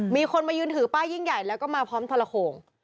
มีคนมายืนถือป้ายยิ่งใหญ่แล้วก็มาพร้อมทรโขง